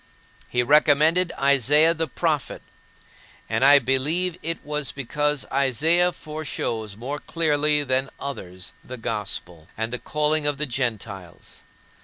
He recommended Isaiah the prophet; and I believe it was because Isaiah foreshows more clearly than others the gospel, and the calling of the Gentiles.